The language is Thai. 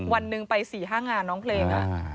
วันหนึ่งไป๔๕งานน้องเพลง